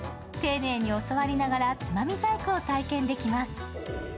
丁寧に教わりながら、つまみ細工を体験できます。